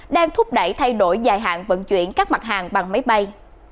đang thúc đẩy thay đổi dài hạn vận chuyển các mặt hàng bằng máy bay